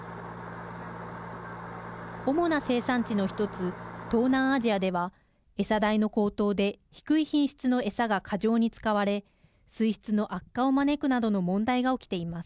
主な生産地の１つ東南アジアでは餌代の高騰で低い品質の餌が過剰に使われ水質の悪化を招くなどの問題が起きています。